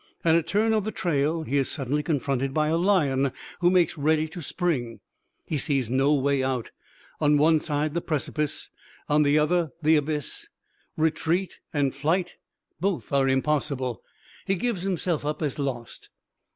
At a turn of the trail he is suddenly confronted by a lion who makes ready to spring. He sees no way out, on one side the precipice, on the other the abyss; retreat and flight both are impossible; he gives himself up as lost.